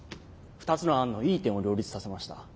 ２つの案のいい点を両立させました。